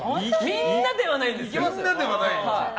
みんなではないですけど。